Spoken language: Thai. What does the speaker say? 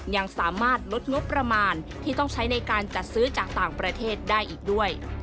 ยังสามารถลดงบประมาณที่ต้องใช้ในการจัดซื้อจากต่างประเทศได้อีกด้วย